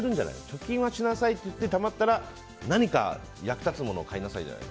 貯金はしなさいって言ってたまったら何か買いなさいじゃない？